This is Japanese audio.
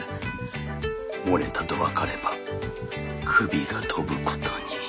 漏れたと分かれば首が飛ぶことに。